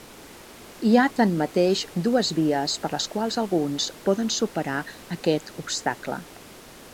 Hi ha tanmateix dues vies per les quals alguns poden superar aquest obstacle.